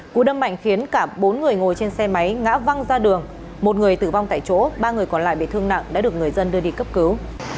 cú đâm mạnh khiến cả bốn người ngồi trên xe máy ngã văng ra đường một người tử vong tại chỗ ba người còn lại bị thương nặng đã được người dân đưa đi cấp cứu